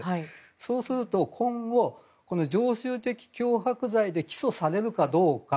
そうすると今後、常習的脅迫罪で起訴されるかどうか。